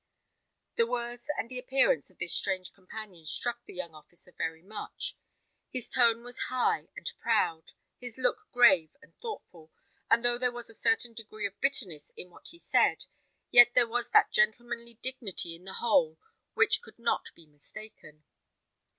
The words and the appearance of his strange companion struck the young officer very much. His tone was high and proud, his look grave and thoughtful; and though there was a certain degree of bitterness in what he said, yet there was that gentlemanly dignity in the whole which could not be mistaken.